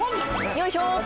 よいしょ！